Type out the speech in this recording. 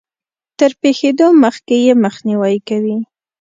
تر پېښېدو مخکې يې مخنيوی کوي.